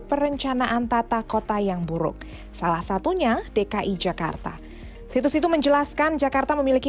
perencanaan tata kota yang buruk salah satunya dki jakarta situs itu menjelaskan jakarta memiliki